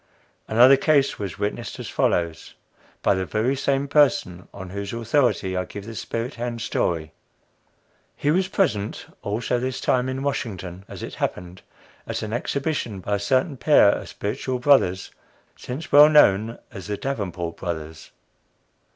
Another case was witnessed as follows, by the very same person on whose authority I give the spirit hand story. He was present also, this time in Washington, as it happened, at an exhibition by a certain pair of spiritual brothers, since well known as the "Davenport Brothers."